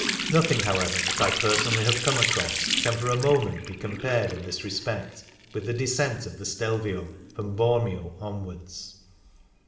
Nothing, however, that I per sonally have come across can for a moment be compared in this respect with the descent of the Stelvio from Bormio onwards.